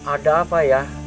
ada apa ya